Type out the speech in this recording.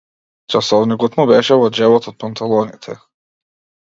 Часовникот му беше во џебот од панталоните.